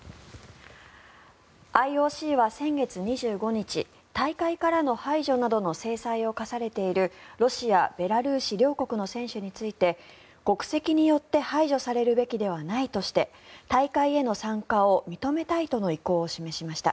ＩＯＣは先月２５日大会からの排除などの制裁を科されているロシア、ベラルーシ両国の選手について国籍によって排除されるべきではないとして大会への参加を認めたいとの意向を示しました。